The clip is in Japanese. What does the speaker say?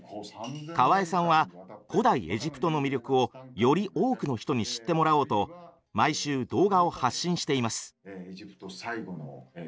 河江さんは古代エジプトの魅力をより多くの人に知ってもらおうと毎週動画を発信しています。